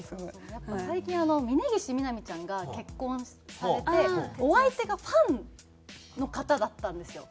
やっぱ最近峯岸みなみちゃんが結婚されてお相手がファンの方だったんですよ。